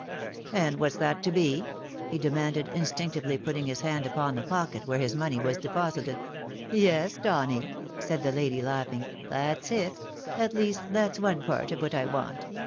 " And what's that to be ?" he demanded, instinctively putting his hand upon the pocket where his money was deposited. " Yes, Donny,'' said the lady, laughing, " that's it ; at least that's one part of what I want.